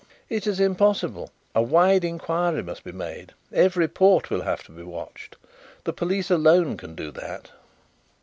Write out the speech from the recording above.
"It is impossible. A wide inquiry must be made. Every port will have to be watched. The police alone can do that."